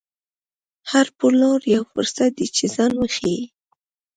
هر پلور یو فرصت دی چې ځان وښيي.